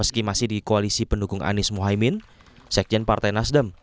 meski masih di koalisi pendukung anies mohaimin sekjen partai nasdem